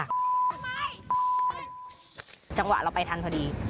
แบบนี้เถอะจังหวะเราไปทันพอดี